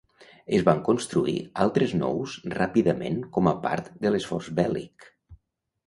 Es van construir altres nous ràpidament com a part de l'esforç bèl·lic.